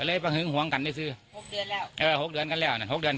ประหึงหวงกันไปซื้อหกเดือนแล้วเออหกเดือนกันแล้วนั่นหกเดือน